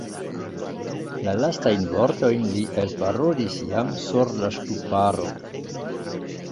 La lastajn vortojn li elparolis jam sur la ŝtuparo.